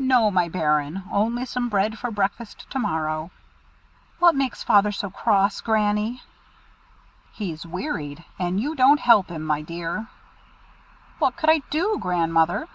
"No, my bairn, only some bread for breakfast to morrow." "What makes Father so cross, Granny?" "He's wearied, and you don't help him, my dear." "What could I do, Grandmother?"